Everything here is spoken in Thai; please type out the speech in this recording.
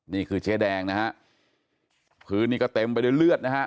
นี่คือเจ๊แดงนะฮะพื้นนี่ก็เต็มไปด้วยเลือดนะฮะ